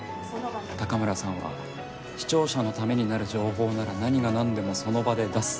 高村さんは視聴者のためになる情報なら何が何でもその場で出す。